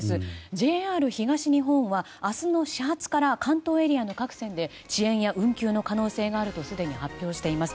ＪＲ東日本は明日の始発から関東エリアの各線で遅延や運休の可能性があるとすでに発表しています。